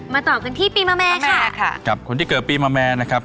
มาตอบถึงพี่ปีมะแม่ค่ะครับคุณที่เกิบปีมะแม่นะครับ